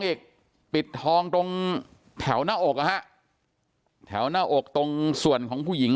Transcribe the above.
อีกปิดทองตรงแถวหน้าอกนะฮะแถวหน้าอกตรงส่วนของผู้หญิง